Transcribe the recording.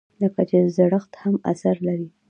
لکه چې زړښت هم اثر لري.